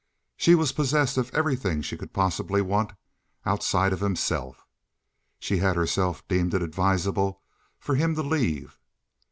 She was possessed of everything she could possibly want outside of himself. She had herself deemed it advisable for him to leave.